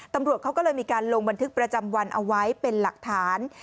ตำรวจเขาก็เลยมีการลงบันทึกประจำวันเอาไว้เป็นหลักฐาน